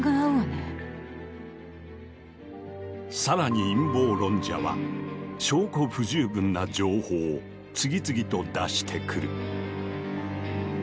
更に陰謀論者は証拠不十分な情報を次々と出してくる。